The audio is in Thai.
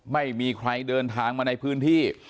ไม่มีใครเดินทางมาในพื้นที่